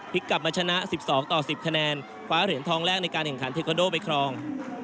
พลิกกลับมาชนะสิบสองต่อสิบคะแนนขวาเหรียญทองแรกในการแห่งขันเทคอนโดไปคลอง